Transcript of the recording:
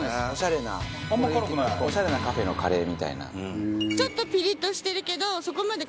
オシャレなカフェのカレーみたいな。